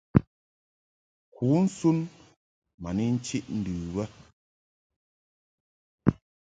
Kǔnsun ma ni nchiʼ ndɨ bə.